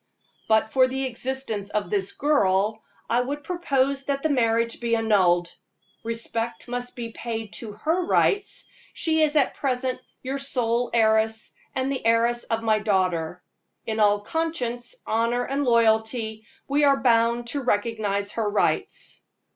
But for the existence of this girl, I would propose that the marriage be annulled. Respect must be paid to her rights; she is at present your sole heiress, and the heiress of my daughter. In all conscience, honor and loyalty, we are bound to recognize her rights."